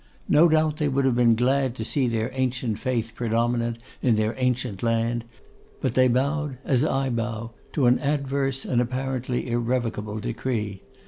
No doubt they would have been glad to see their ancient faith predominant in their ancient land; but they bowed, as I bow, to an adverse and apparently irrevocable decree.